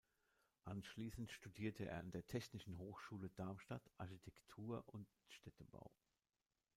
Anschließend studierte er an der Technischen Hochschule Darmstadt Architektur und Städtebau.